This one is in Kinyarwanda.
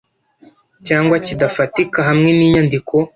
cyangwa kidafatika hamwe n inyandiko